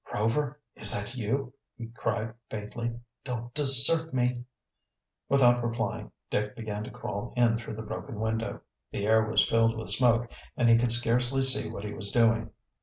"Rover, is that you?" he cried faintly. "Don't desert me!" Without replying, Dick began to crawl in through the broken window. The air was filled with smoke and he could scarcely see what he was doing.